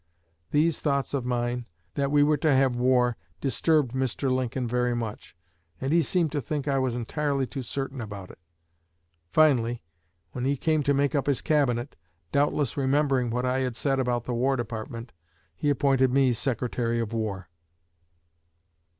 These thoughts of mine, that we were to have war, disturbed Mr. Lincoln very much, and he seemed to think I was entirely too certain about it. Finally, when he came to make up his Cabinet, doubtless remembering what I had said about the War Department, he appointed me Secretary of War."